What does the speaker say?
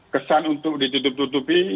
kesan untuk ditutup tutupi